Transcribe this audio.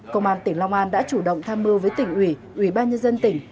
công an tỉnh long an đã chủ động tham mưu với tỉnh ủy ủy ban nhân dân tỉnh